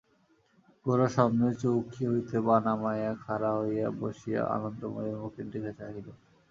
গোরা সামনের চৌকি হইতে পা নামাইয়া খাড়া হইয়া বসিয়া আনন্দময়ীর মুখের দিকে চাহিল।